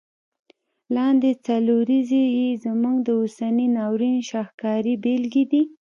لاندي څلوریځي یې زموږ د اوسني ناورین شاهکاري بیلګي دي.